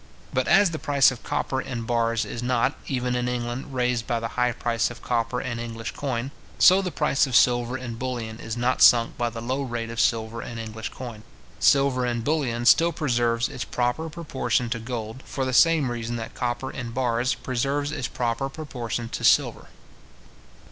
But as the price of copper in bars is not, even in England, raised by the high price of copper in English coin, so the price of silver in bullion is not sunk by the low rate of silver in English coin. Silver in bullion still preserves its proper proportion to gold, for the same reason that copper in bars preserves its proper proportion to silver.